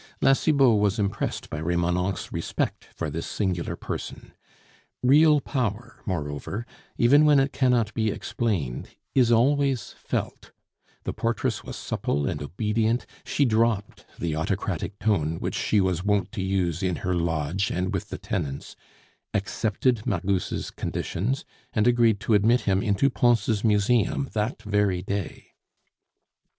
La Cibot was impressed by Remonencq's respect for this singular person; real power, moreover, even when it cannot be explained, is always felt; the portress was supple and obedient, she dropped the autocratic tone which she was wont to use in her lodge and with the tenants, accepted Magus' conditions, and agreed to admit him into Pons' museum that very day.